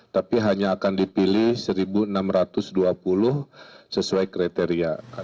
tapi hanya akan dipilih satu enam ratus dua puluh sesuai kriteria